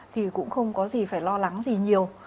thì cũng không có gì phải lo lắng gì nhiều